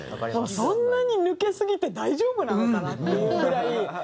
そんなに抜けすぎて大丈夫なのかなっていうぐらい。